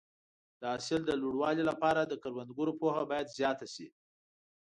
د حاصل د لوړوالي لپاره د کروندګرو پوهه باید زیاته شي.